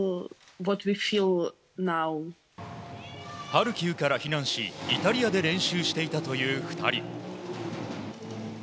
ハルキウから避難しイタリアで練習していたという２人。